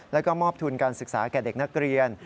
แล้วก็มอบทุนการศึกษาแก่เด็กนักเรียน